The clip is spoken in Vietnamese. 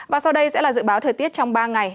và sau đây sẽ là dự báo thời tiết trong ba ngày